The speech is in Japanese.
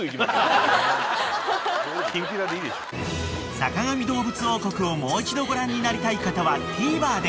［『坂上どうぶつ王国』をもう一度ご覧になりたい方はＴＶｅｒで］